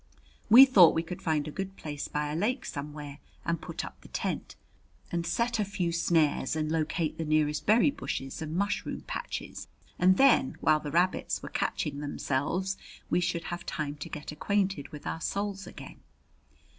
We thought we could find a good place by a lake somewhere and put up the tent, and set a few snares, and locate the nearest berry bushes and mushroom patches, and then, while the rabbits were catching themselves, we should have time to get acquainted with our souls again.